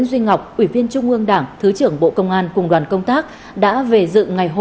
rồi nhà tôi mất hai mươi bảy triệu